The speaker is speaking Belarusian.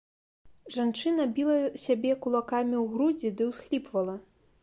Жанчына біла сябе кулакамі ў грудзі ды ўсхліпвала.